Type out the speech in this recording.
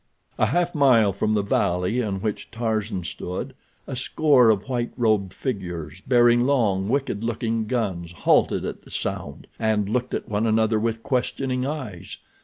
A half mile from the valley in which Tarzan stood, a score of white robed figures, bearing long, wicked looking guns, halted at the sound, and looked at one another with questioning eyes.